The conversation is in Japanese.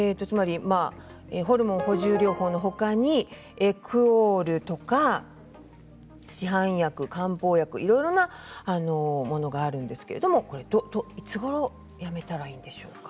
ホルモン補充療法のほかにエクオールとか市販薬や漢方薬いろいろなものがあるんですけれどもいつごろやめたらいいんでしょうか。